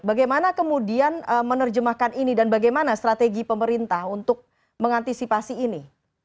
bagaimana kemudian menerjemahkan ini dan bagaimana strategi pemerintah untuk mengantisipasi ini